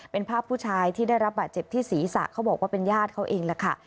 เป็นภาพผู้ชายที่ได้รับบาดเจ็บที่ศีรษะเขาบอกว่าเป็นญาติเขาเองแหละค่ะ